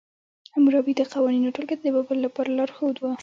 حموربي د قوانینو ټولګه د بابل لپاره لارښود وه.